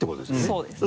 そうです。